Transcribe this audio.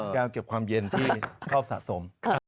แก้วเก็บความเย็นที่ชอบสะสม